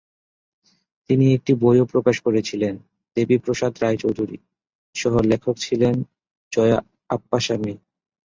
তিনি একটি বইও প্রকাশ করেছিলেন, "দেবী প্রসাদ রায় চৌধুরী", সহ-লেখক ছিলেন জয়া আপ্পাসামী।